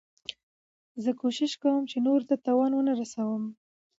زه کوشش کوم، چي نورو ته تاوان و نه رسوم.